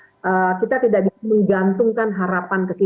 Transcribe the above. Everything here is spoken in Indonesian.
cuma kita tidak bisa menggantungkan harapan ke situ